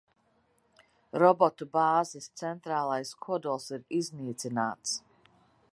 Robotu bāzes centrālais kodols ir iznīcināts.